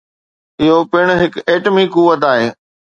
اهو پڻ هڪ ايٽمي قوت آهي.